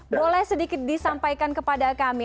boleh sedikit disampaikan kepada kami